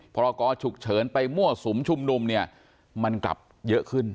พรกรฉุกเฉินไปมั่วสุมชุมนุมเนี่ยมันกลับเยอะขึ้น